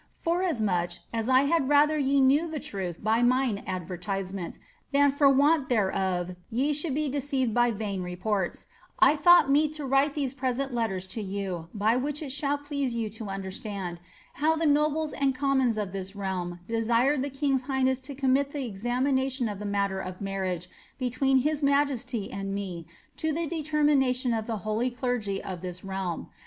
Forasmuch as I had ratlier ye knew the truth by mine advertisement, than for want thereof ye should be deceived by vain reports, 1 thnught mete to write those present letters to you, by the which it shall please you CO understand, how tlie nobles and commons of this realm desired the king's highness to commit the examination of the matter of marriage between his nuu^'tyand me to tlie determination of tlie holy clergy of this realm.